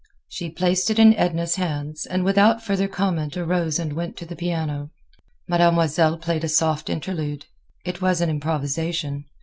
She placed it in Edna's hands, and without further comment arose and went to the piano. Mademoiselle played a soft interlude. It was an improvisation.